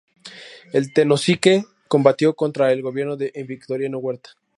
En Tenosique combatió contra el gobierno de Victoriano Huerta.